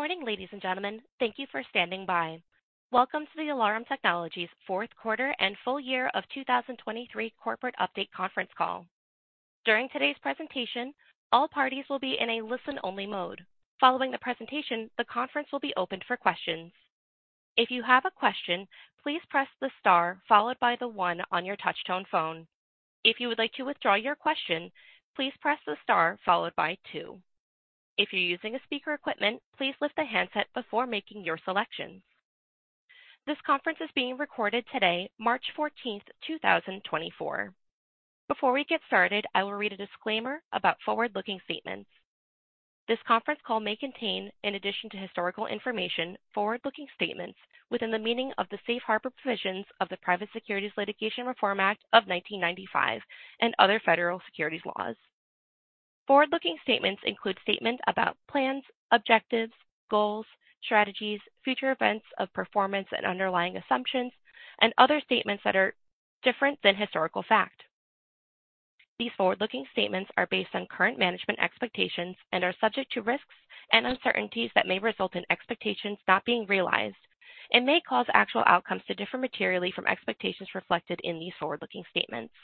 Good morning, ladies and gentlemen. Thank you for standing by. Welcome to the Alarum Technologies fourth quarter and full year of 2023 corporate update conference call. During today's presentation, all parties will be in a listen-only mode. Following the presentation, the conference will be opened for questions. If you have a question, please press the star followed by the 1 on your touch-tone phone. If you would like to withdraw your question, please press the star followed by 2. If you're using a speaker equipment, please lift the handset before making your selections. This conference is being recorded today, March 14th, 2024. Before we get started, I will read a disclaimer about forward-looking statements. This conference call may contain, in addition to historical information, forward-looking statements within the meaning of the Safe Harbor provisions of the Private Securities Litigation Reform Act of 1995 and other federal securities laws. Forward-looking statements include statements about plans, objectives, goals, strategies, future events of performance and underlying assumptions, and other statements that are different than historical fact. These forward-looking statements are based on current management expectations and are subject to risks and uncertainties that may result in expectations not being realized and may cause actual outcomes to differ materially from expectations reflected in these forward-looking statements.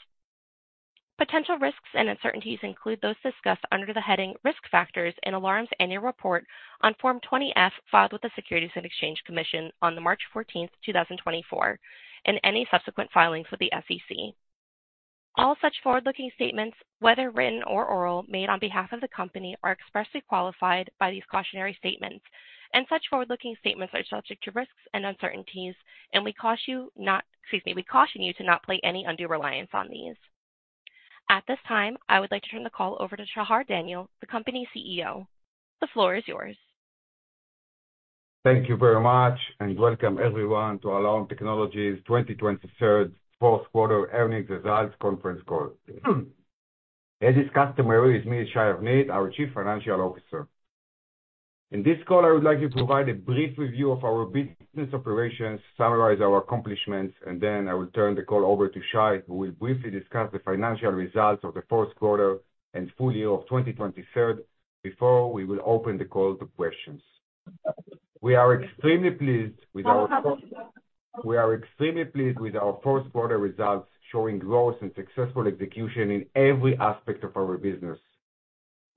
Potential risks and uncertainties include those discussed under the heading Risk Factors in Alarum's annual report on Form 20-F filed with the Securities and Exchange Commission on March 14th, 2024, and any subsequent filings with the SEC. All such forward-looking statements, whether written or oral, made on behalf of the company are expressly qualified by these cautionary statements, and such forward-looking statements are subject to risks and uncertainties, and we caution you not to place any undue reliance on these. At this time, I would like to turn the call over to Shachar Daniel, the company CEO. The floor is yours. Thank you very much, and welcome everyone to Alarum Technologies' 2023 fourth quarter earnings results conference call. Today's host is me, Shachar Daniel, our Chief Executive Officer. In this call, I would like to provide a brief review of our business operations, summarize our accomplishments, and then I will turn the call over to Shai, who will briefly discuss the financial results of the fourth quarter and full year of 2023 before we will open the call to questions. We are extremely pleased with our. No problem. We are extremely pleased with our fourth quarter results showing growth and successful execution in every aspect of our business.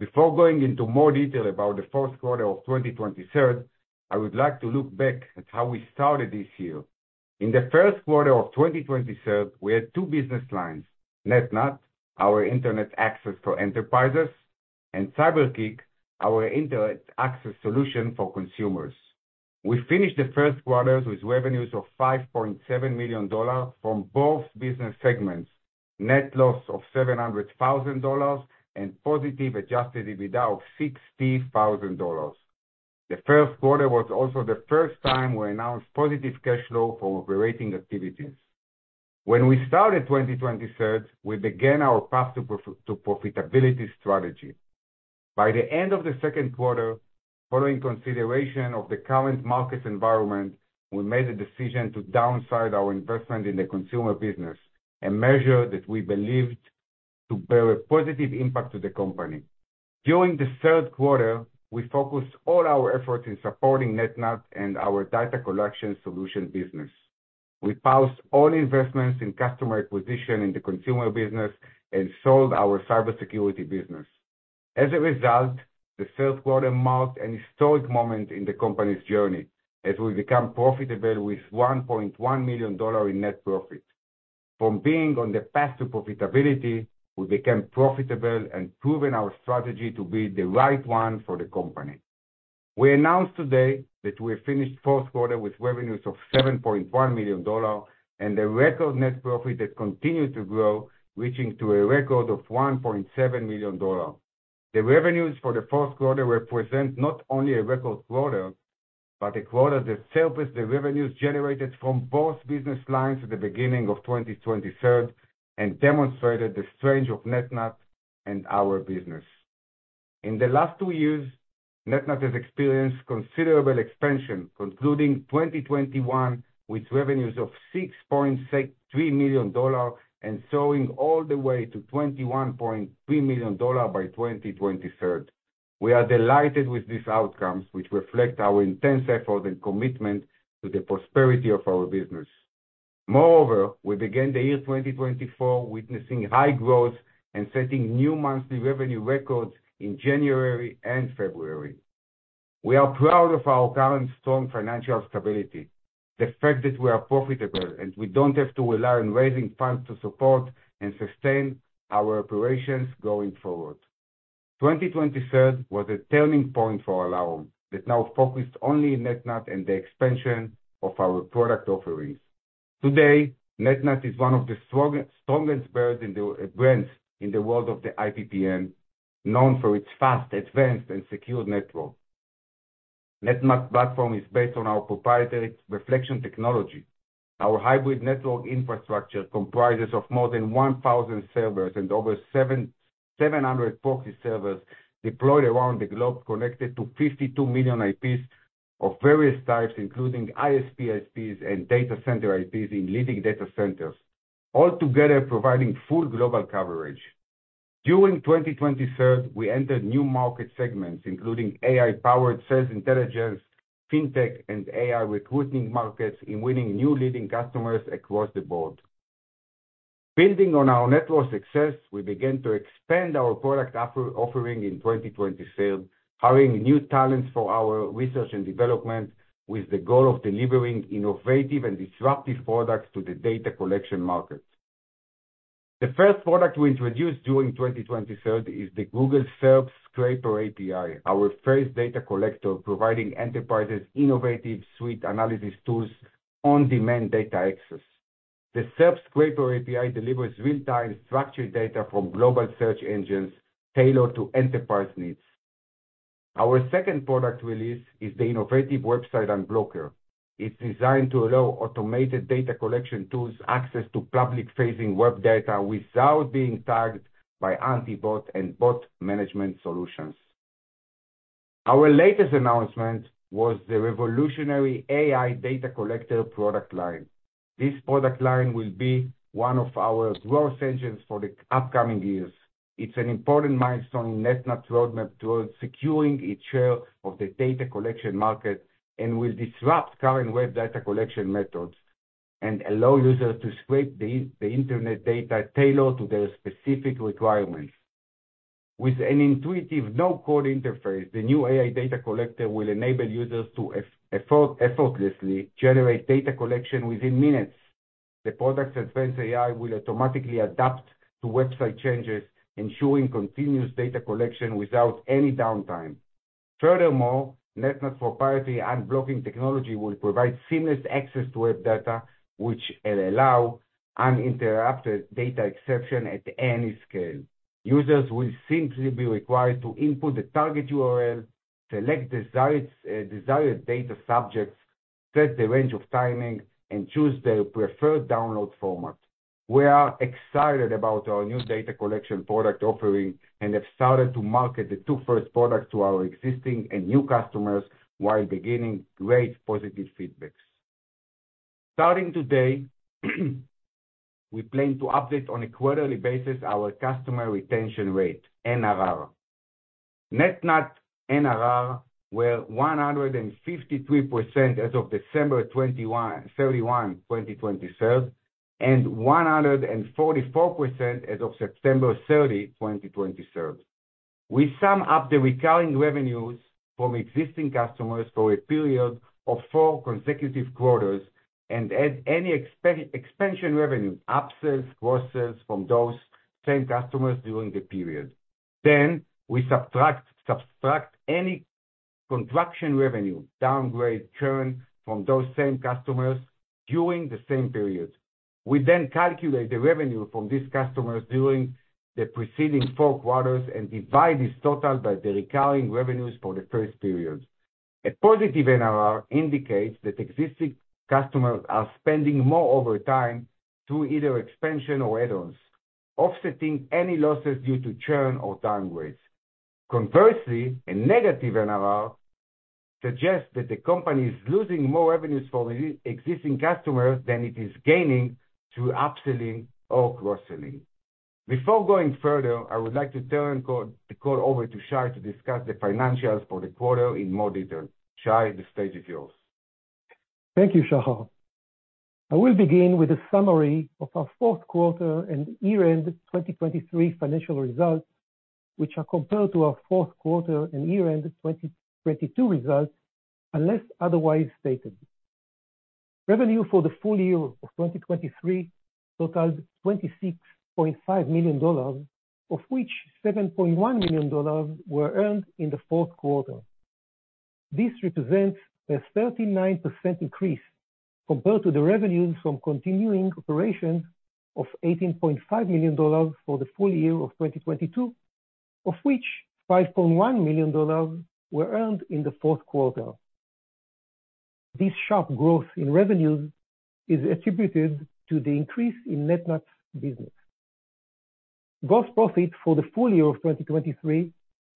Before going into more detail about the fourth quarter of 2023, I would like to look back at how we started this year. In the first quarter of 2023, we had two business lines: NetNut, our internet access for enterprises, and CyberKick, our internet access solution for consumers. We finished the first quarter with revenues of $5.7 million from both business segments, net loss of $700,000, and positive Adjusted EBITDA of $60,000. The first quarter was also the first time we announced positive cash flow from operating activities. When we started 2023, we began our path to profitability strategy. By the end of the second quarter, following consideration of the current market environment, we made the decision to downsize our investment in the consumer business and measure that we believed to bear a positive impact to the company. During the third quarter, we focused all our efforts in supporting NetNut and our data collection solution business. We paused all investments in customer acquisition in the consumer business and sold our cybersecurity business. As a result, the third quarter marked an historic moment in the company's journey as we became profitable with $1.1 million in net profit. From being on the path to profitability, we became profitable and proven our strategy to be the right one for the company. We announced today that we have finished fourth quarter with revenues of $7.1 million and a record net profit that continued to grow, reaching a record of $1.7 million. The revenues for the fourth quarter represent not only a record quarter, but a quarter that surpassed the revenues generated from both business lines at the beginning of 2023 and demonstrated the strength of NetNut and our business. In the last two years, NetNut has experienced considerable expansion, concluding 2021 with revenues of $6.3 million and soaring all the way to $21.3 million by 2023. We are delighted with these outcomes, which reflect our intense effort and commitment to the prosperity of our business. Moreover, we began the year 2024 witnessing high growth and setting new monthly revenue records in January and February. We are proud of our current strong financial stability, the fact that we are profitable, and we don't have to rely on raising funds to support and sustain our operations going forward. 2023 was a turning point for Alarum that now focused only on NetNut and the expansion of our product offerings. Today, NetNut is one of the strongest brands in the world of the IPPN, known for its fast, advanced, and secure network. NetNut platform is based on our proprietary Reflection Technology. Our hybrid network infrastructure comprises more than 1,000 servers and over 700 proxy servers deployed around the globe, connected to 52 million IPs of various types, including ISP IPs and data center IPs in leading data centers, altogether providing full global coverage. During 2023, we entered new market segments, including AI-powered sales intelligence, fintech, and AI recruiting markets, winning new leading customers across the board. Building on our network success, we began to expand our product offering in 2023, hiring new talents for our research and development with the goal of delivering innovative and disruptive products to the data collection market. The first product we introduced during 2023 is the Google SERP Scraper API, our first data collector providing enterprises innovative suite analysis tools on-demand data access. The SERP Scraper API delivers real-time, structured data from global search engines tailored to enterprise needs. Our second product release is the Innovative Website Unblocker. It's designed to allow automated data collection tools access to public-facing web data without being tagged by anti-bot and bot management solutions. Our latest announcement was the Revolutionary AI Data Collector product line. This product line will be one of our growth engines for the upcoming years. It's an important milestone in NetNut's roadmap towards securing its share of the data collection market and will disrupt current web data collection methods and allow users to scrape the internet data tailored to their specific requirements. With an intuitive no-code interface, the new AI Data Collector will enable users to effortlessly generate data collection within minutes. The product's Advanced AI will automatically adapt to website changes, ensuring continuous data collection without any downtime. Furthermore, NetNut's proprietary unblocking technology will provide seamless access to web data, which will allow uninterrupted data extraction at any scale. Users will simply be required to input the target URL, select desired data subjects, set the range of timing, and choose their preferred download format. We are excited about our new data collection product offering and have started to market the two first products to our existing and new customers while receiving great positive feedback. Starting today, we plan to update on a quarterly basis our customer retention rate, NRR. NetNut NRR were 153% as of December 31, 2023, and 144% as of September 30, 2023. We sum up the recurring revenues from existing customers for a period of four consecutive quarters and add any expansion revenue, upsells, cross-sells, from those same customers during the period. Then we subtract any contraction revenue, downgrade, churn, from those same customers during the same period. We then calculate the revenue from these customers during the preceding four quarters and divide this total by the recurring revenues for the first period. A positive NRR indicates that existing customers are spending more over time through either expansion or add-ons, offsetting any losses due to churn or downgrades. Conversely, a negative NRR suggests that the company is losing more revenues from existing customers than it is gaining through upselling or cross-selling. Before going further, I would like to turn the call over to Shai to discuss the financials for the quarter in more detail. Shai, the stage is yours. Thank you, Shachar. I will begin with a summary of our fourth quarter and year-end 2023 financial results, which are compared to our fourth quarter and year-end 2022 results, unless otherwise stated. Revenue for the full year of 2023 totaled $26.5 million, of which $7.1 million were earned in the fourth quarter. This represents a 39% increase compared to the revenues from continuing operations of $18.5 million for the full year of 2022, of which $5.1 million were earned in the fourth quarter. This sharp growth in revenues is attributed to the increase in NetNut's business. Gross profit for the full year of 2023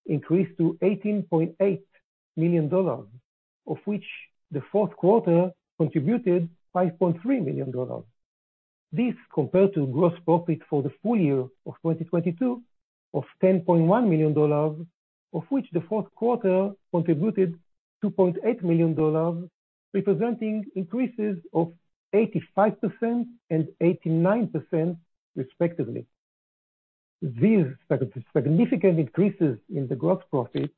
increased to $18.8 million, of which the fourth quarter contributed $5.3 million. This compared to gross profit for the full year of 2022 of $10.1 million, of which the fourth quarter contributed $2.8 million, representing increases of 85% and 89%, respectively. These significant increases in the gross profit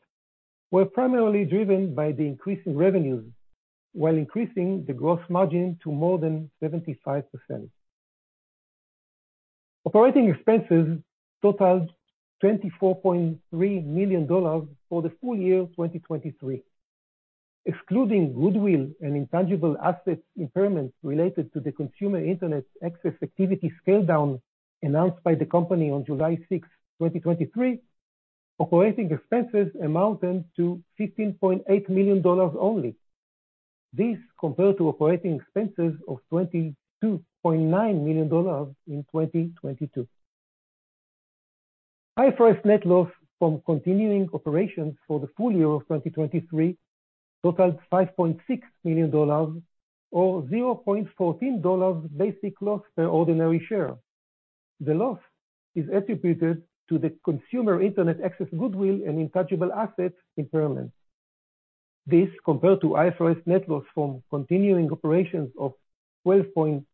were primarily driven by the increasing revenues while increasing the gross margin to more than 75%. Operating expenses totaled $24.3 million for the full year 2023, excluding goodwill and intangible assets impairments related to the consumer internet access activity scale-down announced by the company on July 6th, 2023. Operating expenses amounted to $15.8 million only. This compared to operating expenses of $22.9 million in 2022. Adjusted net loss from continuing operations for the full year of 2023 totaled $5.6 million, or $0.14 basic loss per ordinary share. The loss is attributed to the consumer internet access goodwill and intangible assets impairments. This compared to adjusted net loss from continuing operations of $12.5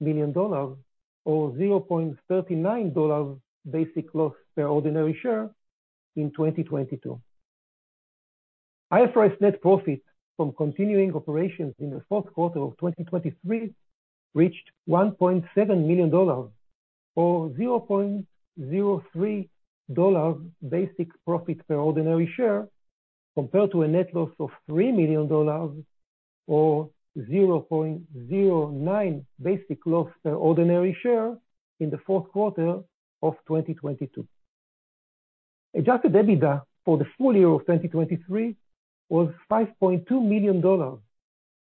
million, or $0.39 basic loss per ordinary share in 2022. Net profit from continuing operations in the fourth quarter of 2023 reached $1.7 million, or $0.03 basic profit per ordinary share, compared to a net loss of $3 million, or $0.09 basic loss per ordinary share in the fourth quarter of 2022. Adjusted EBITDA for the full year of 2023 was $5.2 million,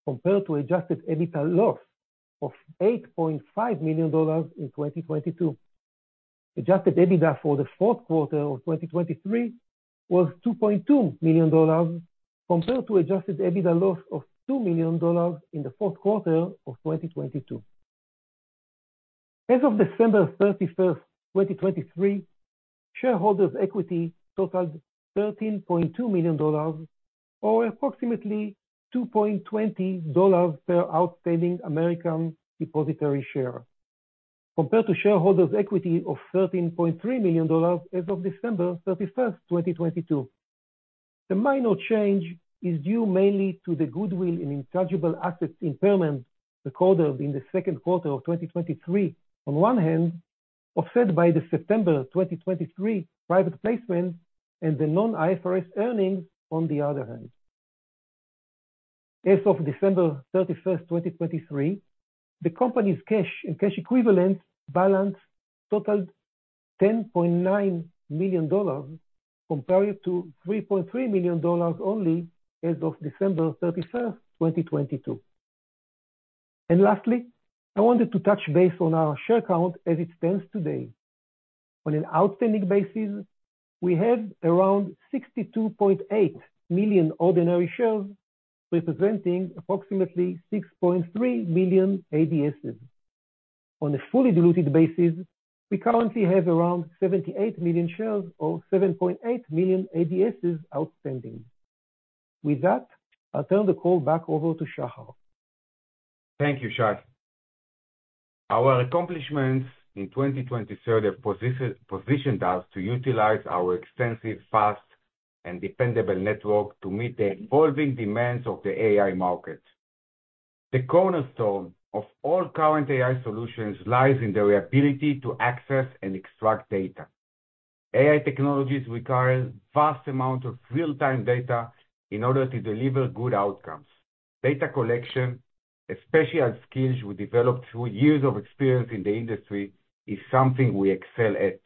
compared to adjusted EBITDA loss of $8.5 million in 2022. Adjusted EBITDA for the fourth quarter of 2023 was $2.2 million, compared to adjusted EBITDA loss of $2 million in the fourth quarter of 2022. As of December 31st, 2023, shareholders' equity totaled $13.2 million, or approximately $2.20 per outstanding American Depositary Share, compared to shareholders' equity of $13.3 million as of December 31st, 2022. The minor change is due mainly to the goodwill and intangible assets impairment recorded in the second quarter of 2023, on one hand, offset by the September 2023 private placement and the non-IFRS earnings, on the other hand. As of December 31st, 2023, the company's cash and cash equivalent balance totaled $10.9 million, compared to $3.3 million only as of December 31st, 2022. Lastly, I wanted to touch base on our share count as it stands today. On an outstanding basis, we have around 62.8 million ordinary shares, representing approximately 6.3 million ADSs. On a fully diluted basis, we currently have around 78 million shares, or 7.8 million ADSs, outstanding. With that, I'll turn the call back over to Shachar. Thank you, Shai. Our accomplishments in 2023 have positioned us to utilize our extensive, fast, and dependable network to meet the evolving demands of the AI market. The cornerstone of all current AI solutions lies in their ability to access and extract data. AI technologies require a vast amount of real-time data in order to deliver good outcomes. Data collection, especially skills we developed through years of experience in the industry, is something we excel at.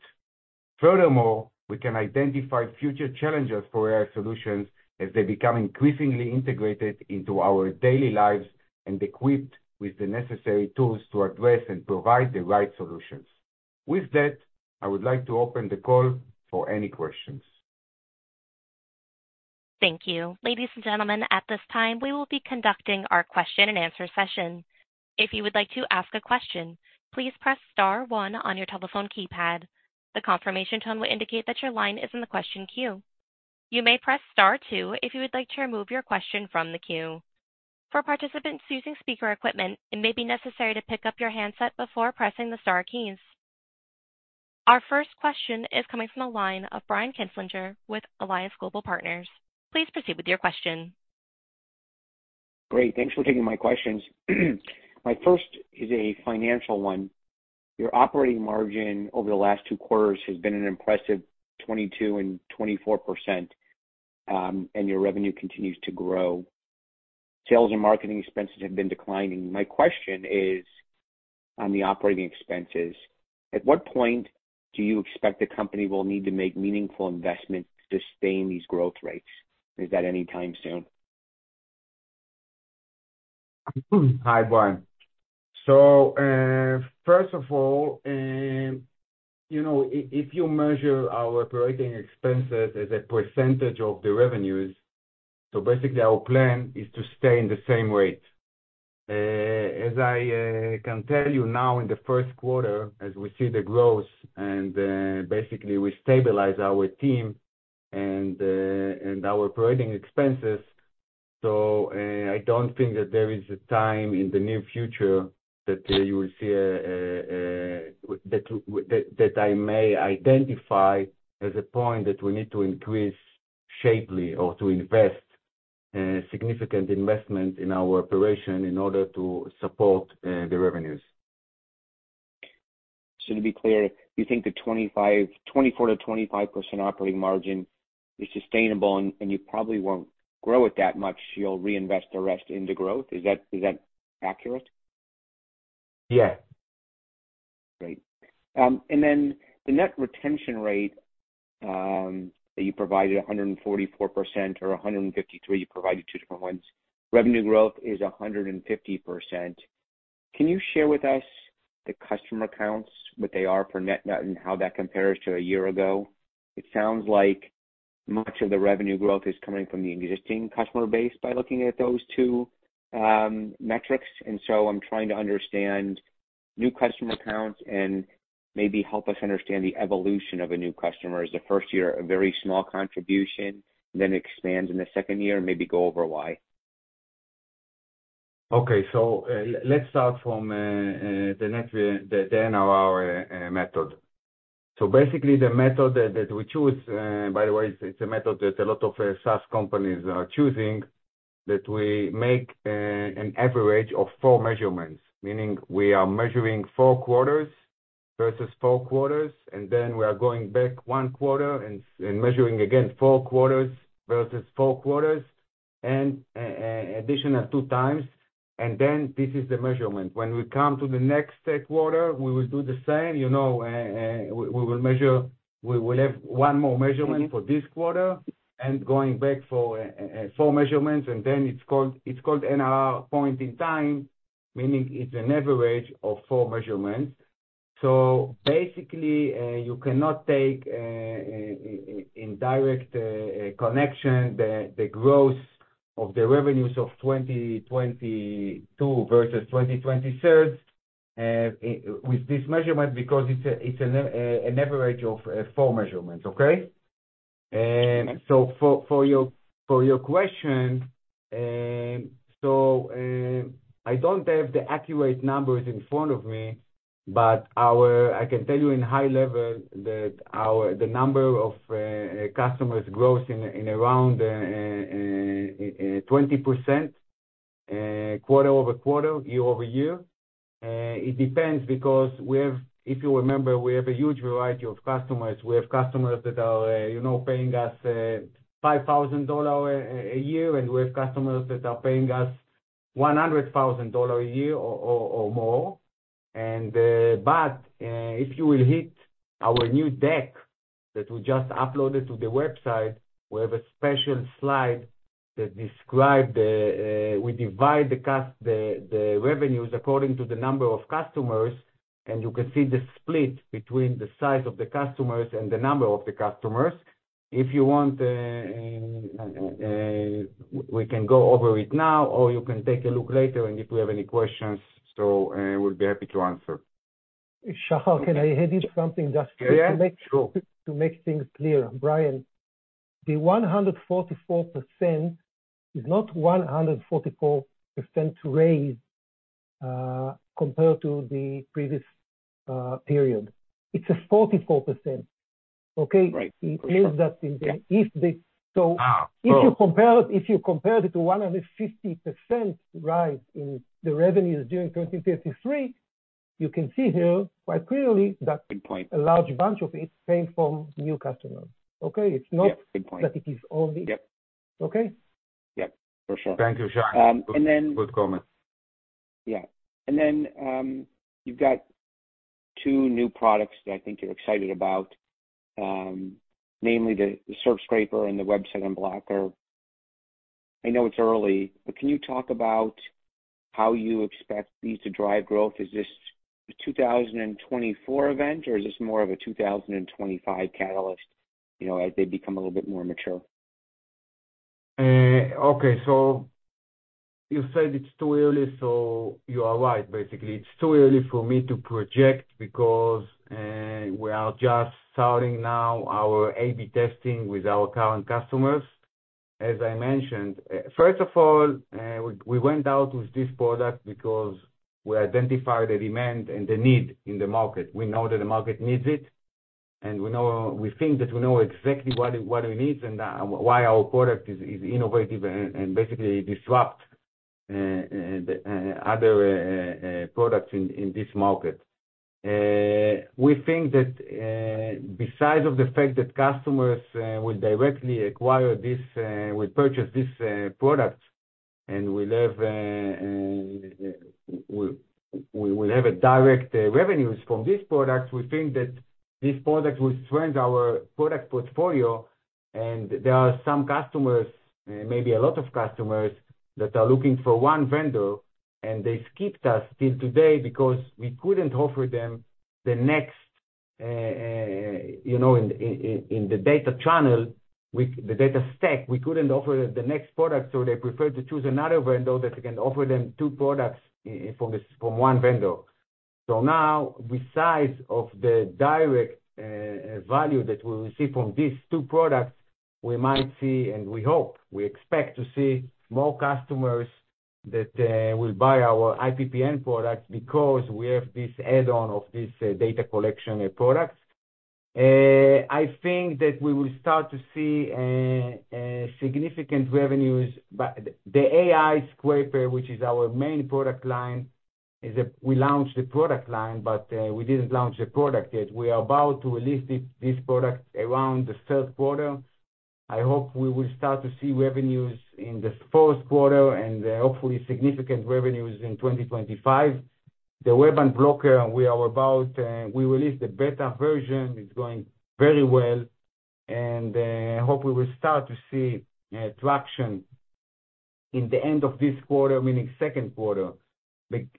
Furthermore, we can identify future challenges for AI solutions as they become increasingly integrated into our daily lives and equipped with the necessary tools to address and provide the right solutions. With that, I would like to open the call for any questions. Thank you. Ladies and gentlemen, at this time, we will be conducting our question-and-answer session. If you would like to ask a question, please press star one on your telephone keypad. The confirmation tone would indicate that your line is in the question queue. You may press star two if you would like to remove your question from the queue. For participants using speaker equipment, it may be necessary to pick up your handset before pressing the star keys. Our first question is coming from the line of Brian Kinstlinger with Alliance Global Partners. Please proceed with your question. Great. Thanks for taking my questions. My first is a financial one. Your operating margin over the last two quarters has been an impressive 22% and 24%, and your revenue continues to grow. Sales and marketing expenses have been declining. My question is on the operating expenses. At what point do you expect the company will need to make meaningful investments to sustain these growth rates? Is that anytime soon? Hi, Brian. So first of all, if you measure our operating expenses as a percentage of the revenues, so basically, our plan is to stay in the same rate. As I can tell you now, in the first quarter, as we see the growth and basically we stabilize our team and our operating expenses, so I don't think that there is a time in the near future that you will see that I may identify as a point that we need to increase sharply or to invest significant investment in our operation in order to support the revenues. To be clear, you think the 24%-25% operating margin is sustainable, and you probably won't grow it that much. You'll reinvest the rest into growth. Is that accurate? Yes. Great. And then the net retention rate that you provided, 144% or 153%, you provided two different ones. Revenue growth is 150%. Can you share with us the customer counts, what they are for NetNut, and how that compares to a year ago? It sounds like much of the revenue growth is coming from the existing customer base by looking at those two metrics. And so I'm trying to understand new customer counts and maybe help us understand the evolution of a new customer. Is the first year a very small contribution, then expands in the second year, and maybe go over why? Okay. So let's start from the NRR method. So basically, the method that we choose, by the way, it's a method that a lot of SaaS companies are choosing, that we make an average of four measurements, meaning we are measuring four quarters versus four quarters, and then we are going back 1 quarter and measuring again four quarters versus four quarters, and additional 2x. And then this is the measurement. When we come to the next quarter, we will do the same. We will measure. We will have one more measurement for this quarter and going back for four measurements. And then it's called NRR point in time, meaning it's an average of four measurements. So basically, you cannot take in direct connection the growth of the revenues of 2022 versus 2023 with this measurement because it's an average of four measurements, okay? So for your question, so I don't have the accurate numbers in front of me, but I can tell you in high level that the number of customers grows in around 20% quarter-over-quarter, year-over-year. It depends because we have, if you remember, we have a huge variety of customers. We have customers that are paying us $5,000 a year, and we have customers that are paying us $100,000 a year or more. But if you will hit our new deck that we just uploaded to the website, we have a special slide that describes the we divide the revenues according to the number of customers, and you can see the split between the size of the customers and the number of the customers. If you want, we can go over it now, or you can take a look later, and if we have any questions, so we'll be happy to answer. Shachar, can I hit you with something, just to make things clear? Brian, the 144% is not 144% raise compared to the previous period. It's a 44%, okay? It means that if you compare it to 150% rise in the revenues during 2033, you can see here quite clearly that a large bunch of it came from new customers, okay? It's not that it is only. Yep. Okay? Yep, for sure. Thank you, Shai. Good comment. Yeah. And then you've got two new products that I think you're excited about, namely the SERP Scraper and the Website Unblocker. I know it's early, but can you talk about how you expect these to drive growth? Is this a 2024 event, or is this more of a 2025 catalyst as they become a little bit more mature? Okay. So you said it's too early, so you are right, basically. It's too early for me to project because we are just starting now our A/B testing with our current customers. As I mentioned, first of all, we went out with this product because we identified the demand and the need in the market. We know that the market needs it, and we think that we know exactly what it needs and why our product is innovative and basically disrupts other products in this market. We think that besides the fact that customers will directly acquire this will purchase this product, and we'll have a direct revenue from this product, we think that this product will strengthen our product portfolio. There are some customers, maybe a lot of customers, that are looking for one vendor, and they skipped us till today because we couldn't offer them the next in the data channel, the data stack. We couldn't offer the next product, so they preferred to choose another vendor that can offer them two products from one vendor. So now, besides the direct value that we receive from these two products, we might see, and we hope, we expect to see more customers that will buy our IPPN products because we have this add-on of this data collection product. I think that we will start to see significant revenues. The AI Scraper, which is our main product line, is. We launched the product line, but we didn't launch the product yet. We are about to release this product around the third quarter. I hope we will start to see revenues in the fourth quarter and hopefully significant revenues in 2025. The Website Unblocker, we released the beta version. It's going very well. And I hope we will start to see traction in the end of this quarter, meaning second quarter,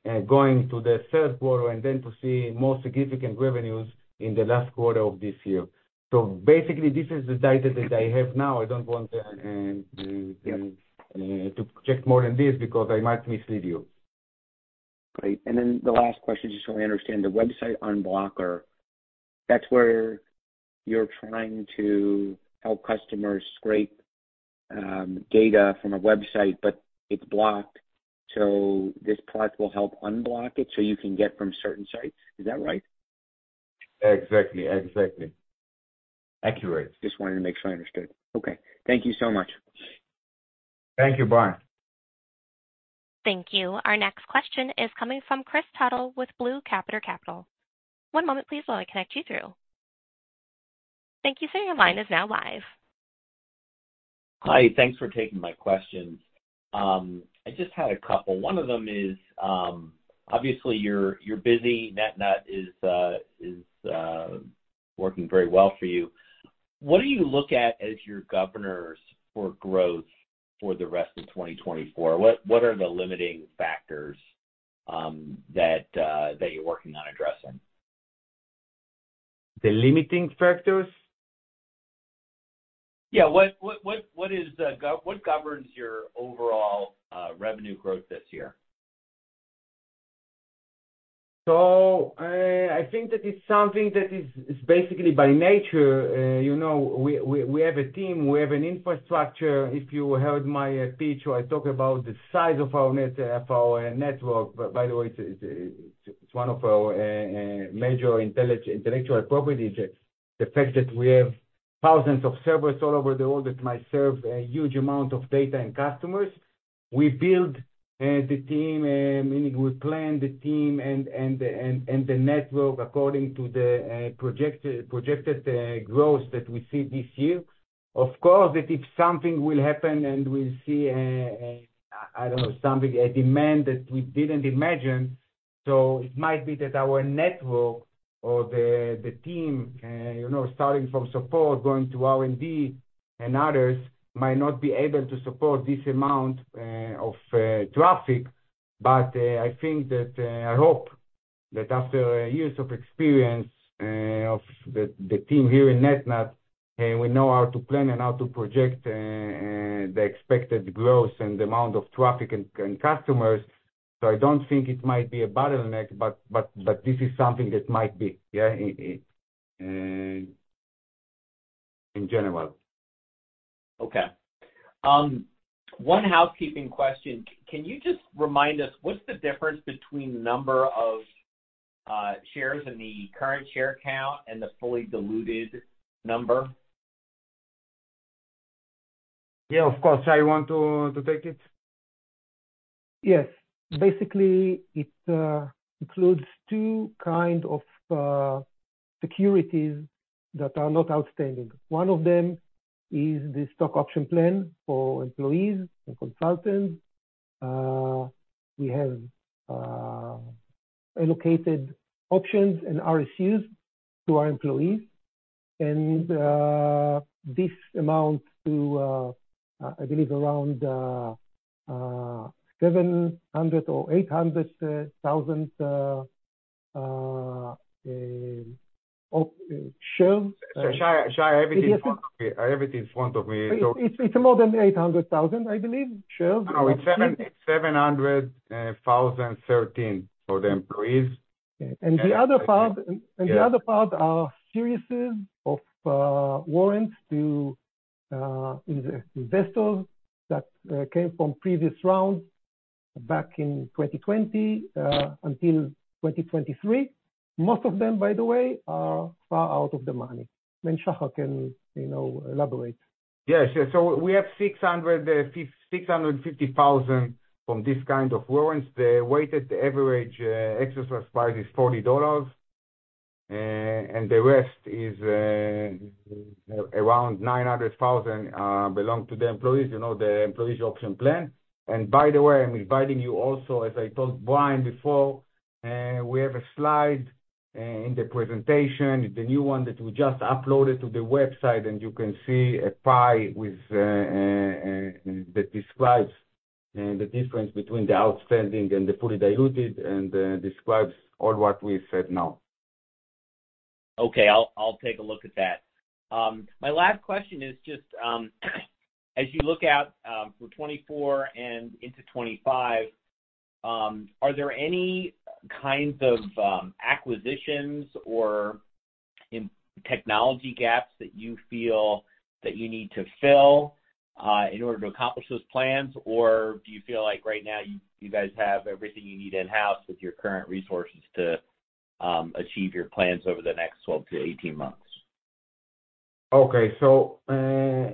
going to the third quarter and then to see more significant revenues in the last quarter of this year. So basically, this is the data that I have now. I don't want to project more than this because I might mislead you. Great. And then the last question, just so I understand, the Website Unblocker, that's where you're trying to help customers scrape data from a website, but it's blocked. So this product will help unblock it so you can get from certain sites. Is that right? Exactly. Exactly. Accurate. Just wanted to make sure I understood. Okay. Thank you so much. Thank you, Brian. Thank you. Our next question is coming from Kris Tuttle with Blue Caterpillar. One moment, please, while I connect you through. Thank you, sir. Your line is now live. Hi. Thanks for taking my questions. I just had a couple. One of them is, obviously, you're busy. NetNut is working very well for you. What do you look at as your governors for growth for the rest of 2024? What are the limiting factors that you're working on addressing? The limiting factors? Yeah. What governs your overall revenue growth this year? So I think that it's something that is basically by nature. We have a team. We have an infrastructure. If you heard my pitch, I talked about the size of our network. By the way, it's one of our major intellectual properties, the fact that we have thousands of servers all over the world that might serve a huge amount of data and customers. We build the team, meaning we plan the team and the network according to the projected growth that we see this year. Of course, that if something will happen and we'll see, I don't know, something, a demand that we didn't imagine, so it might be that our network or the team, starting from support, going to R&D and others, might not be able to support this amount of traffic. But I think that I hope that after years of experience of the team here in NetNut, we know how to plan and how to project the expected growth and the amount of traffic and customers. So I don't think it might be a bottleneck, but this is something that might be, yeah, in general. Okay. One housekeeping question. Can you just remind us, what's the difference between the number of shares in the current share count and the fully diluted number? Yeah, of course. I want to take it. Yes. Basically, it includes two kinds of securities that are not outstanding. One of them is the stock option plan for employees and consultants. We have allocated options and RSUs to our employees. And this amount to, I believe, around 700,000 or 800,000 shares. Shai, everything's in front of me. It's more than 800,000, I believe, shares. No, it's 700,013 for the employees. And the other part are series of warrants to investors that came from previous rounds back in 2020 until 2023. Most of them, by the way, are far out of the money. I mean, Shachar can elaborate. Yes. So we have 650,000 from this kind of warrants. The weighted average exercise price is $40, and the rest is around 900,000 belong to the employees, the employees' option plan. And by the way, I'm inviting you also, as I told Brian before, we have a slide in the presentation, the new one that we just uploaded to the website, and you can see a pie that describes the difference between the outstanding and the fully diluted and describes all what we said now. Okay. I'll take a look at that. My last question is just, as you look out for 2024 and into 2025, are there any kinds of acquisitions or technology gaps that you feel that you need to fill in order to accomplish those plans, or do you feel like right now you guys have everything you need in-house with your current resources to achieve your plans over the next 12 to 18 months? Okay. So first,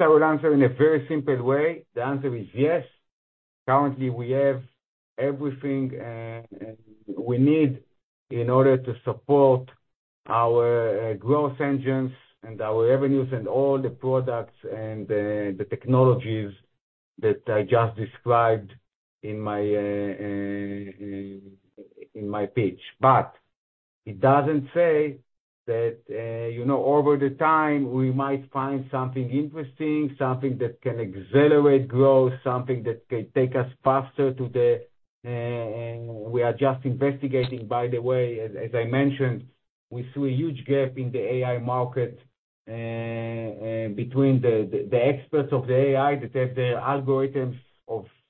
I will answer in a very simple way. The answer is yes. Currently, we have everything we need in order to support our growth engines and our revenues and all the products and the technologies that I just described in my pitch. But it doesn't say that over the time, we might find something interesting, something that can accelerate growth, something that can take us faster to the we are just investigating. By the way, as I mentioned, we see a huge gap in the AI market between the experts of the AI that have their algorithms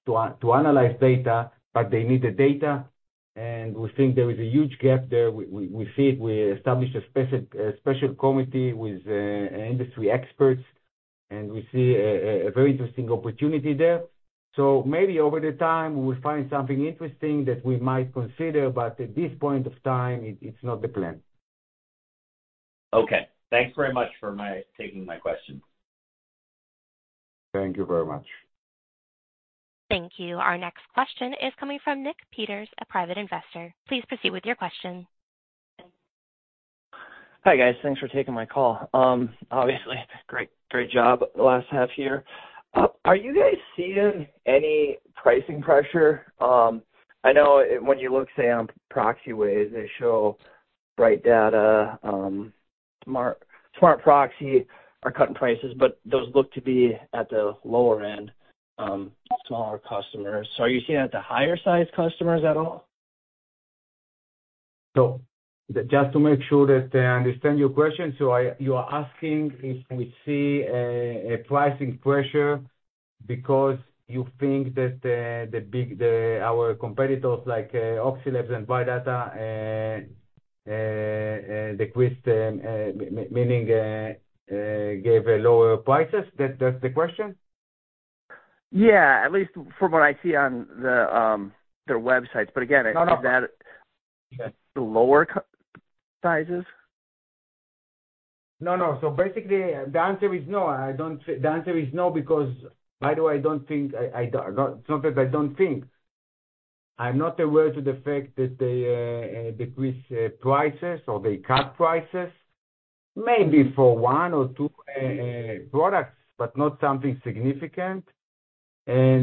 to analyze data, but they need the data. And we think there is a huge gap there. We see it. We established a special committee with industry experts, and we see a very interesting opportunity there. Maybe over the time, we will find something interesting that we might consider, but at this point of time, it's not the plan. Okay. Thanks very much for taking my question. Thank you very much. Thank you. Our next question is coming from Nick Peters, a private investor. Please proceed with your question. Hi, guys. Thanks for taking my call. Obviously, great job the last half year. Are you guys seeing any pricing pressure? I know when you look, say, on Proxyway, they show Bright Data. Smartproxy are cutting prices, but those look to be at the lower end, smaller customers. So are you seeing that at the higher-sized customers at all? So just to make sure that I understand your question, so you are asking if we see a pricing pressure because you think that our competitors like Oxylabs and Bright Data decreased, meaning gave lower prices. That's the question? Yeah, at least from what I see on their websites. But again, is that the lower sizes? No, no. So basically, the answer is no. The answer is no because, by the way, I don't think it's not that I don't think. I'm not aware to the fact that they decrease prices or they cut prices, maybe for one or two products, but not something significant. We are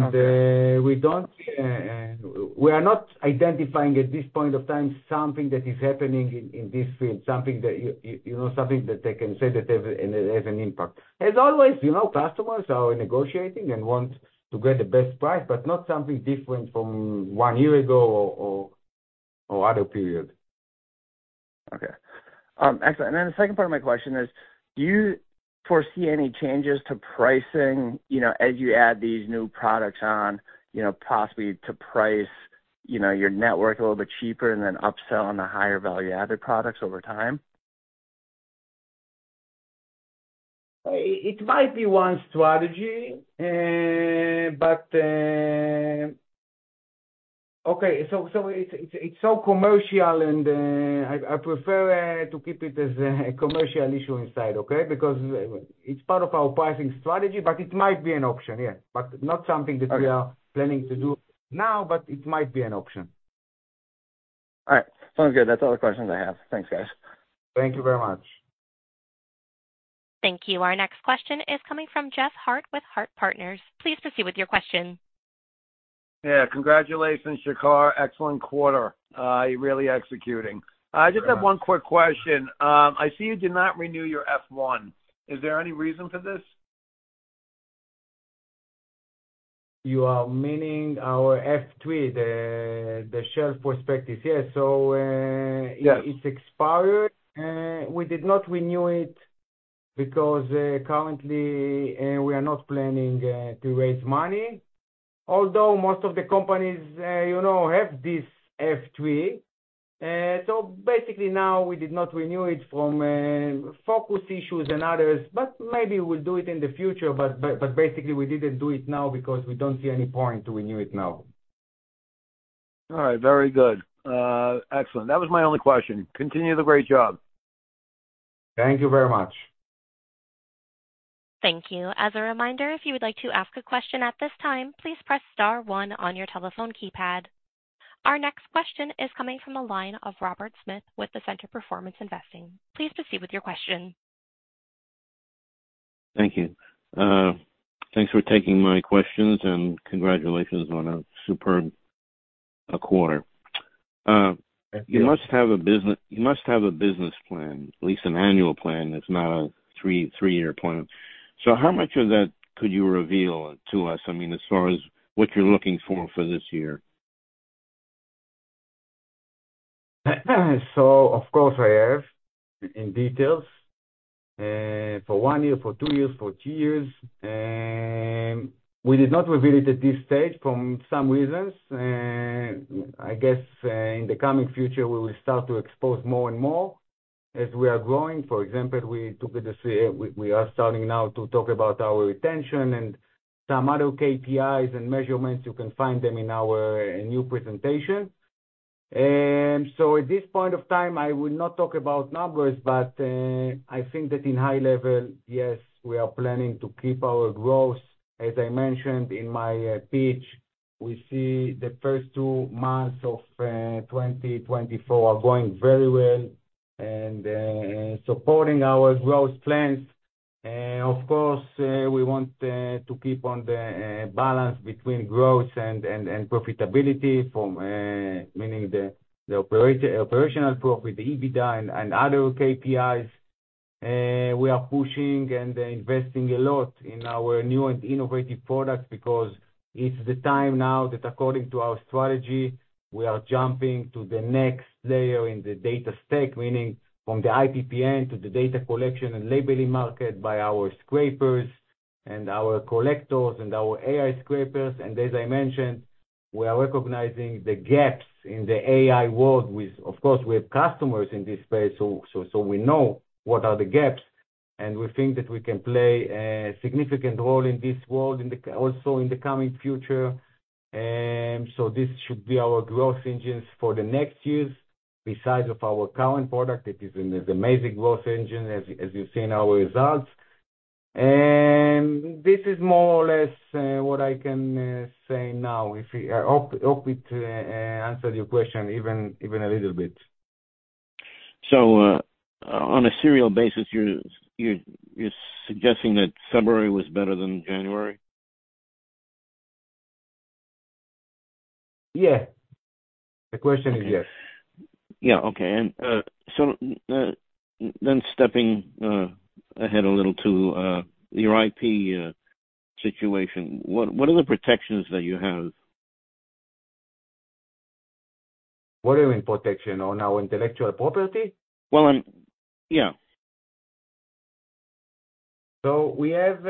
not identifying at this point of time something that is happening in this field, something that they can say that has an impact. As always, customers are negotiating and want to get the best price, but not something different from one year ago or other period. Okay. Excellent. And then the second part of my question is, do you foresee any changes to pricing as you add these new products on, possibly to price your network a little bit cheaper and then upsell on the higher-value-added products over time? It might be one strategy. Okay. So it's so commercial, and I prefer to keep it as a commercial issue inside, okay, because it's part of our pricing strategy, but it might be an option, yeah, but not something that we are planning to do now, but it might be an option. All right. Sounds good. That's all the questions I have. Thanks, guys. Thank you very much. Thank you. Our next question is coming from Jeff Hart with Hart Partners. Please proceed with your question. Yeah. Congratulations, Shachar. Excellent quarter. You're really executing. I just have one quick question. I see you did not renew your F-1. Is there any reason for this? You are meaning our F-3, the share prospectus? Yes. So it's expired. We did not renew it because currently, we are not planning to raise money, although most of the companies have this F-3. So basically, now, we did not renew it from focus issues and others, but maybe we'll do it in the future. But basically, we didn't do it now because we don't see any point to renew it now. All right. Very good. Excellent. That was my only question. Continue the great job. Thank you very much. Thank you. As a reminder, if you would like to ask a question at this time, please press star 1 on your telephone keypad. Our next question is coming from a line of Robert Smith with the Center Performance Investing. Please proceed with your question. Thank you. Thanks for taking my questions, and congratulations on a superb quarter. You must have a business plan, at least an annual plan. It's not a three-year plan. So how much of that could you reveal to us? I mean, as far as what you're looking for for this year? So, of course, I have in details for one year, for two years, for three years. We did not reveal it at this stage for some reasons. I guess in the coming future, we will start to expose more and more as we are growing. For example, we are starting now to talk about our retention and some other KPIs and measurements. You can find them in our new presentation. So at this point of time, I will not talk about numbers, but I think that in high level, yes, we are planning to keep our growth. As I mentioned in my pitch, we see the first two months of 2024 are going very well and supporting our growth plans. Of course, we want to keep on the balance between growth and profitability, meaning the operational profit, the EBITDA, and other KPIs. We are pushing and investing a lot in our new and innovative products because it's the time now that, according to our strategy, we are jumping to the next layer in the data stack, meaning from the IPPN to the data collection and labeling market by our scrapers and our collectors and our AI scrapers. As I mentioned, we are recognizing the gaps in the AI world. Of course, we have customers in this space, so we know what are the gaps. We think that we can play a significant role in this world also in the coming future. This should be our growth engines for the next years besides our current product. It is an amazing growth engine, as you see in our results. This is more or less what I can say now. I hope it answered your question even a little bit. On a serial basis, you're suggesting that February was better than January? Yeah. The question is yes. Yeah. Okay. And so then stepping ahead a little to your IP situation, what are the protections that you have? What do you mean, protection? On our intellectual property? Well, yeah. So we have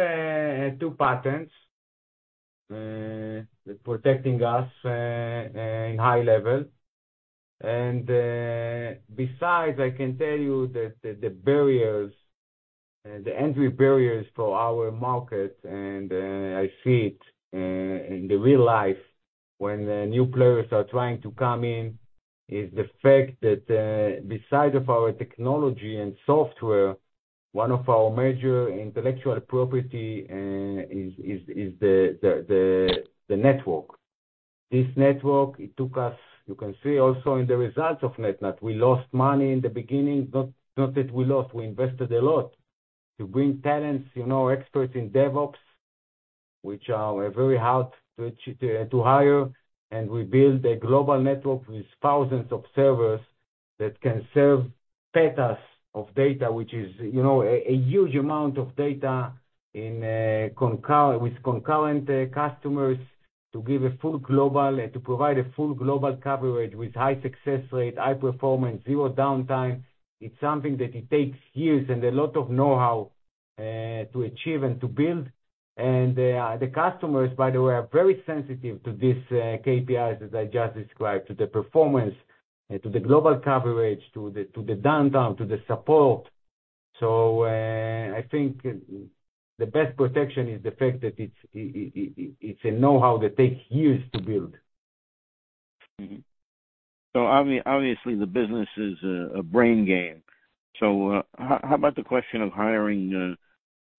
two patents that are protecting us in high level. And besides, I can tell you that the barriers, the entry barriers for our market, and I see it in real life when new players are trying to come in, is the fact that besides our technology and software, one of our major intellectual properties is the network. This network, it took us you can see also in the results of NetNut, we lost money in the beginning. Not that we lost. We invested a lot to bring talents, experts in DevOps, which are very hard to hire. And we built a global network with thousands of servers that can serve petabytes of data, which is a huge amount of data with concurrent customers to give a full global to provide a full global coverage with high success rate, high performance, zero downtime. It's something that it takes years and a lot of know-how to achieve and to build. And the customers, by the way, are very sensitive to these KPIs that I just described, to the performance, to the global coverage, to the downtime, to the support. So I think the best protection is the fact that it's a know-how that takes years to build. Obviously, the business is a brain game. How about the question of hiring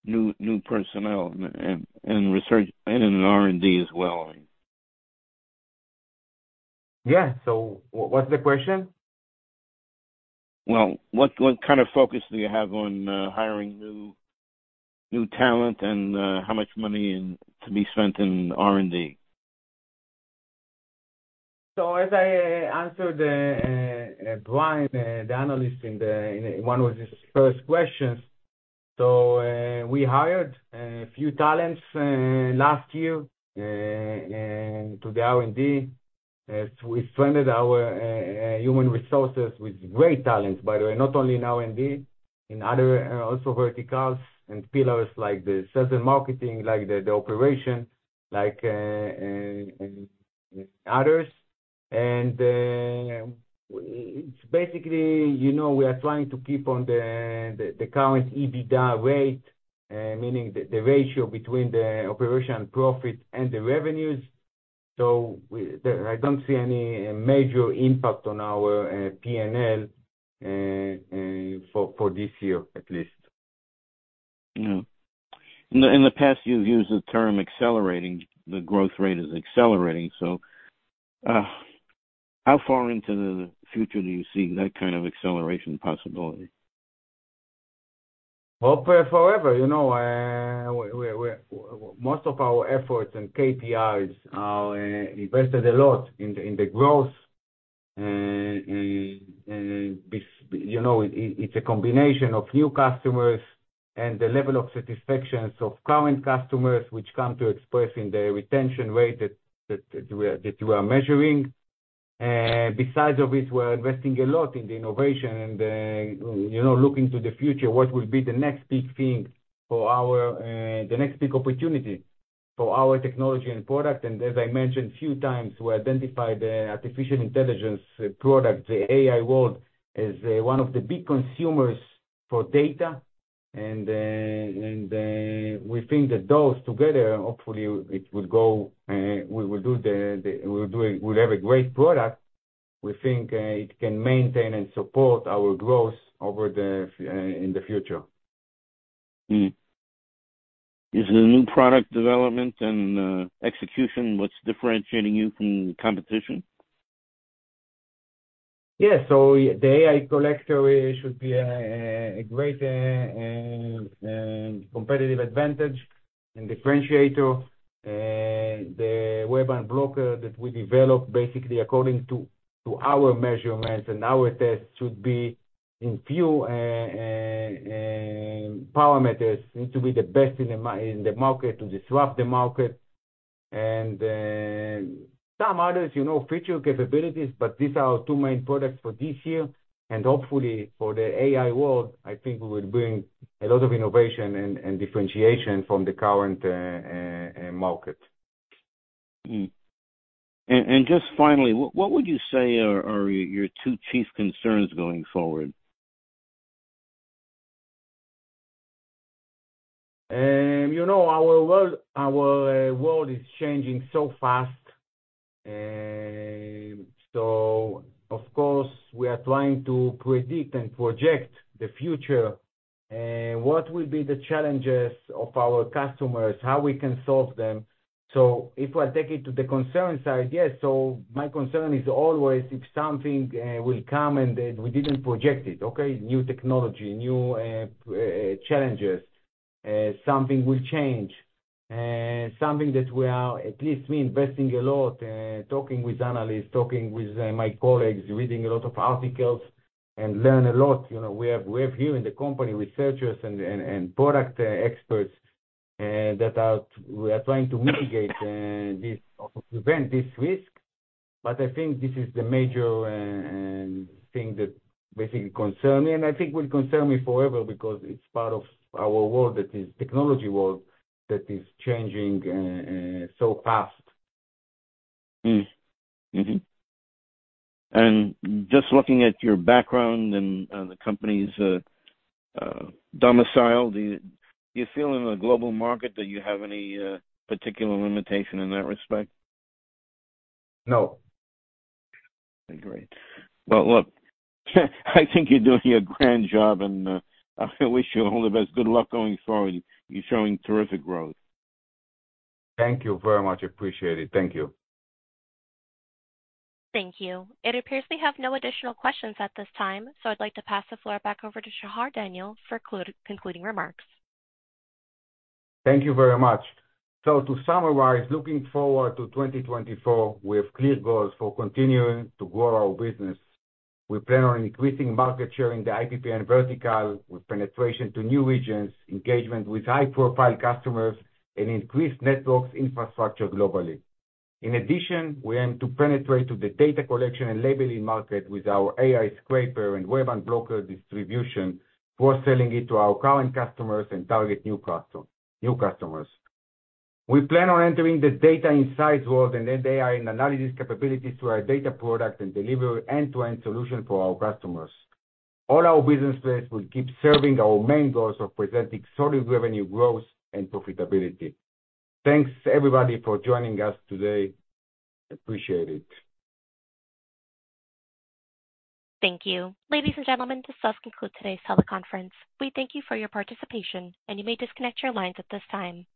new personnel and in R&D as well? Yeah. So what's the question? Well, what kind of focus do you have on hiring new talent and how much money to be spent in R&D? So as I answered Brian, the analyst, in one of his first questions, we hired a few talents last year to the R&D. We strengthened our human resources with great talents, by the way, not only in R&D, in other also verticals and pillars like the sales and marketing, like the operation, like others. Basically, we are trying to keep on the current EBITDA rate, meaning the ratio between the operation profit and the revenues. So I don't see any major impact on our P&L for this year, at least. Yeah. In the past, you've used the term accelerating. The growth rate is accelerating. So how far into the future do you see that kind of acceleration possibility? Well, forever, most of our efforts and KPIs are invested a lot in the growth. It's a combination of new customers and the level of satisfaction of current customers, which come to express in the retention rate that we are measuring. Besides of it, we are investing a lot in the innovation and looking to the future, what will be the next big thing for our the next big opportunity for our technology and product. And as I mentioned a few times, we identified the artificial intelligence product, the AI world, as one of the big consumers for data. And we think that those together, hopefully, we'll have a great product. We think it can maintain and support our growth in the future. Is the new product development and execution what's differentiating you from the competition? Yes. So the AI Data Collector should be a great competitive advantage and differentiator. The Website Unblocker that we develop, basically, according to our measurements and our tests, should be in few parameters need to be the best in the market to disrupt the market, and some others, feature capabilities, but these are our two main products for this year. Hopefully, for the AI world, I think we will bring a lot of innovation and differentiation from the current market. Just finally, what would you say are your two chief concerns going forward? Our world is changing so fast. So, of course, we are trying to predict and project the future, what will be the challenges of our customers, how we can solve them. So if I take it to the concern side, yes. So my concern is always if something will come and we didn't project it, okay, new technology, new challenges, something will change, something that we are, at least me, investing a lot, talking with analysts, talking with my colleagues, reading a lot of articles, and learn a lot. We have here in the company researchers and product experts that we are trying to mitigate this, prevent this risk. But I think this is the major thing that basically concerns me. And I think will concern me forever because it's part of our world that is technology world that is changing so fast. Just looking at your background and the company's domicile, do you feel in the global market that you have any particular limitation in that respect? No. Okay. Great. Well, look, I think you're doing a grand job, and I wish you all the best. Good luck going forward. You're showing terrific growth. Thank you very much. Appreciate it. Thank you. Thank you. It appears we have no additional questions at this time, so I'd like to pass the floor back over to Shachar Daniel for concluding remarks. Thank you very much. So to summarize, looking forward to 2024 with clear goals for continuing to grow our business, we plan on increasing market share in the IPPN vertical with penetration to new regions, engagement with high-profile customers, and increased networks infrastructure globally. In addition, we aim to penetrate to the data collection and labeling market with our AI scraper and Website Unblocker distribution, cross-selling it to our current customers and target new customers. We plan on entering the data insights world and then AI and analysis capabilities to our data product and deliver end-to-end solution for our customers. All our business plans will keep serving our main goals of presenting solid revenue growth and profitability. Thanks, everybody, for joining us today. Appreciate it. Thank you. Ladies and gentlemen, this does conclude today's teleconference. We thank you for your participation, and you may disconnect your lines at this time.